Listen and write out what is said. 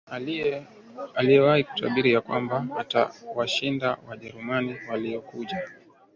Aliyewahi kutabiri ya kwamba atawashinda Wajerumani waliokuja